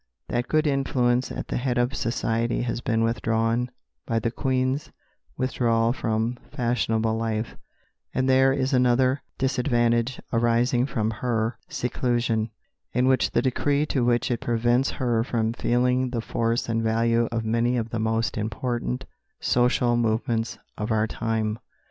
That good influence at the head of society has been withdrawn by the Queen's withdrawal from fashionable life; and there is another disadvantage arising from her seclusion, in the degree to which it prevents her from feeling the force and value of many of the most important social movements of our time.